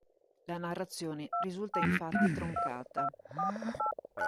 La narrazione risulta infatti troncata.